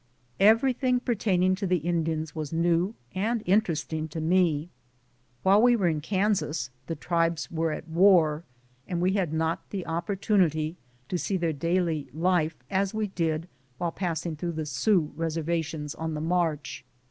Everything pertaining to the Indians was new and. interesting to me. While we were in Kansas the tribes were at war, and we had not the opportunity to see their daily life as we did while passing through the Sioux reservations on the march.